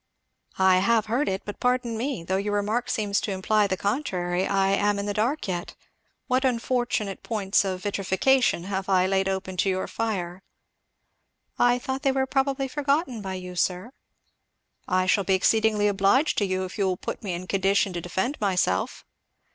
'" "I have heard it; but pardon me, though your remark seems to imply the contrary I am in the dark yet. What unfortunate points of vitrification have I laid open to your fire?" "I thought they were probably forgotten by you, sir." "I shall be exceedingly obliged to you if you will put me in condition to defend myself."